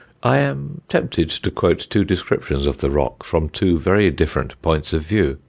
I am tempted to quote two descriptions of the rock, from two very different points of view.